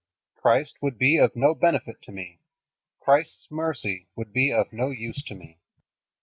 Christ would be of no benefit to me. Christ's mercy would be of no use to me.